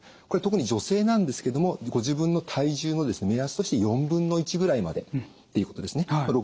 これ特に女性なんですけどもご自分の体重の目安として1/4ぐらいまでということですね。